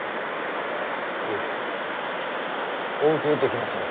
いいえお受けできませぬ。